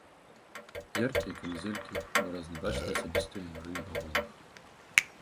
Яркія камізэлькі, выразна бачныя асабістыя нумары на пагонах.